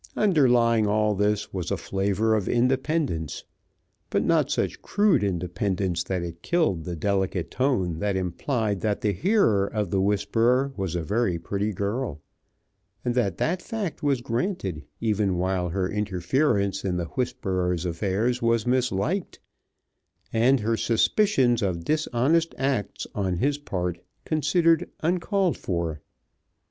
Underlying all this was a flavor of independence, but not such crude independence that it killed the delicate tone that implied that the hearer of the whisper was a very pretty girl, and that that fact was granted even while her interference in the whisperer's affairs was misliked, and her suspicions of dishonest acts on his part considered uncalled for.